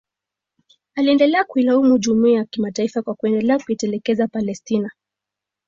Aliendelea kuilaumu Jumuiya ya kimataifa kwa kuendelea kuitelekeza Palestina